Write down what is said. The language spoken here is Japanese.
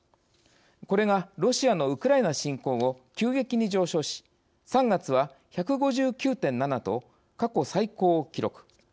これがロシアのウクライナ侵攻後急激に上昇し３月は、１５９．７と過去最高を記録。